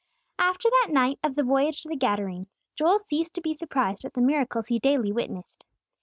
AFTER that night of the voyage to the Gadarenes, Joel ceased to be surprised at the miracles he daily witnessed.